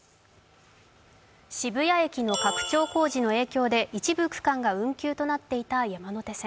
渋谷駅の拡張工事の影響で一部区間が運休となっていた山手線。